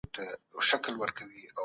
اسلام د انسان فکري قناعت غواړي.